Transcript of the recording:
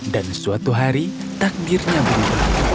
dan suatu hari takdirnya berubah